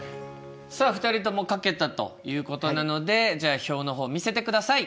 さあ２人とも書けたということなのでじゃあ表の方見せてください。